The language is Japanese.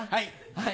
はい。